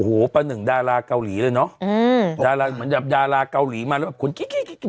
หอประหนึ่งดาราเกาหลีเลยเนาะดาราเกาหลีมาแล้วแบบคุณขี้